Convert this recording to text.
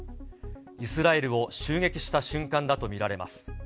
イスラエルを襲撃した瞬間だと見られます。